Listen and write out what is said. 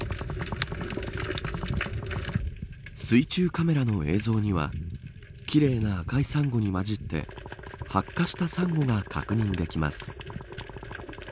水中カメラの映像には奇麗な赤いサンゴに交じって白化したサンゴが確認できます。